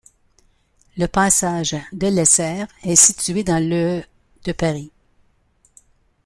Le passage Delessert est situé dans le de Paris.